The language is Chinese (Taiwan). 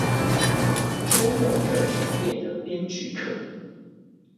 週末熱炒店的編劇課